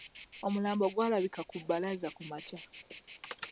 Omulambo gwalabika ku Bbalaza ku makya.